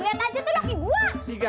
lihat aja tuh laki gua